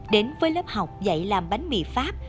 đến với lớp học dạy làm bánh mì pháp